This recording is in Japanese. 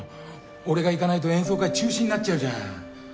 俺が行かないと演奏会中止になっちゃうじゃん。